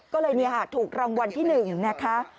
ก็เลยถูกรางวัลที่๑นะคะ